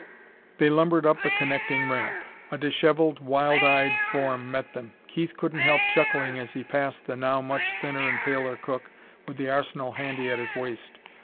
They lumbered up the connecting ramp. A disheveled, wild eyed form met them. Keith couldn't help chuckling as he passed the now much thinner and paler cook, with the arsenal handy at his waist.